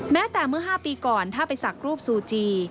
แม้แต่เมื่อ๕ปีก่อนถ้าไปสักรูปซูจี